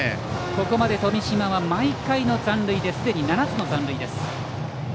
ここまで富島は毎回の残塁ですでに７つの残塁です。